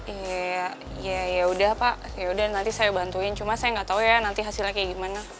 iya yaudah pak yaudah nanti saya bantuin cuma saya gak tau ya nanti hasilnya kayak gimana